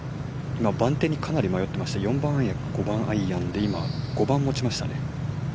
今、番手にかなり迷ってまして４番アイアン、５番アイアンで今、５番を持ちましたね。